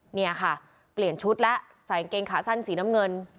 เนี่ยค่ะเปลี่ยนชุดแล้วใส่กางเกงขาสั้นสีน้ำเงิน